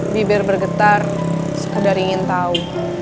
bibir bergetar sekedar ingin tahu